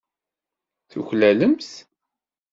Tuklalemt.